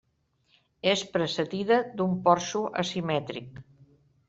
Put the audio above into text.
És precedida d'un porxo asimètric.